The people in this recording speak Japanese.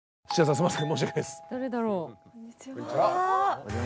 すみません。